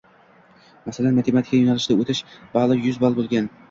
Masalan, matematika yoʻnalishida oʻtish bali yuz ball boʻlgan